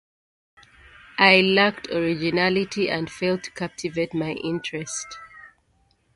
It lacked originality and failed to captivate my interest.